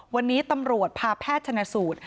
วันนี้ตำรวจพาแพทย์ชนะสูตร